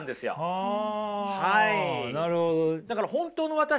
あなるほど。